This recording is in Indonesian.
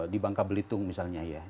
di bangka belitung misalnya ya